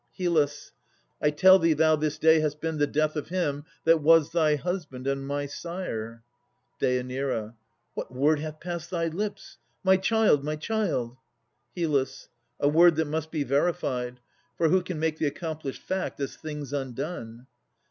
HYL. I tell thee thou this day hast been the death Of him that was thy husband and my sire. DÊ. What word hath passed thy lips? my child, my child! HYL. A word that must be verified. For who Can make the accomplished fact as things undone?